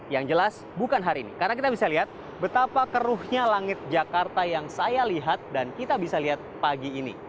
yang jelas bukan hari ini karena kita bisa lihat betapa keruhnya langit jakarta yang saya lihat dan kita bisa lihat pagi ini